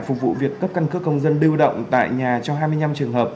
phục vụ việc cấp căn cước công dân lưu động tại nhà cho hai mươi năm trường hợp